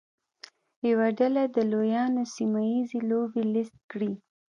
یوه ډله د لویانو سیمه ییزې لوبې لیست کړي.